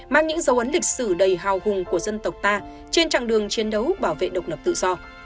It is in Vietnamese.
mang những dấu ấn lịch sử đầy hào hùng của dân tộc ta trên chặng đường chiến đấu bảo vệ độc lập tự do